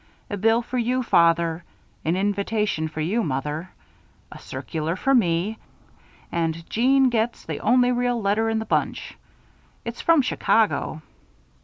A bill for you, Father; an invitation for you, Mother; a circular for me; and Jeanne gets the only real letter in the bunch. It's from Chicago."